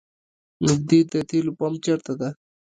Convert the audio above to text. نیږدې د تیلو پمپ چېرته ده؟